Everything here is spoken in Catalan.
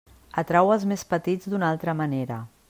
Atrau els més petits d'una altra manera.